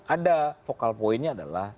ada focal pointnya adalah